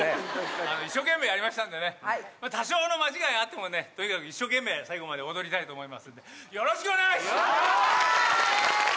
一生懸命やりましたんでね、多少の間違いがあってもね、とにかく一生懸命、最後まで踊りたいと思いますんで、よろしくお願いします！